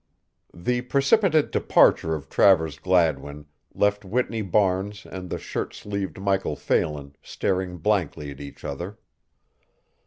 The precipitate departure of Travers Gladwin left Whitney Barnes and the shirt sleeved Michael Phelan staring blankly at each other.